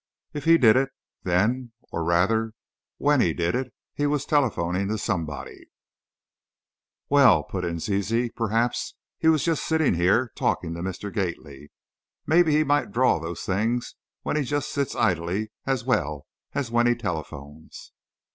If he did it, then, or, rather, when he did it, he was telephoning to somebody " "Well," put in Zizi, "perhaps he was just sitting here, talking to Mr. Gately. Maybe, he might draw those things when he just sits idly as well as when he telephones."